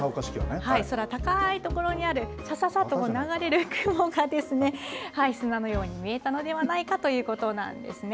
空高い所にある、さささと流れる雲が、砂のように見えたのではないかということなんですね。